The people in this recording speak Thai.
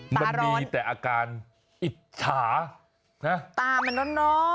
มันมีแต่อาการอิจฉาตามันร้อน